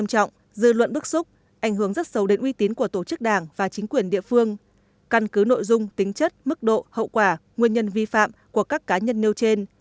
dư luận bức xúc ảnh hưởng rất sâu đến uy tín của tổ chức đảng và chính quyền địa phương căn cứ nội dung tính chất mức độ hậu quả nguyên nhân vi phạm của các cá nhân nêu trên